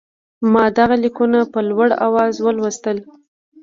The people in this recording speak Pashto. ما دغه لیکونه په لوړ آواز ولوستل.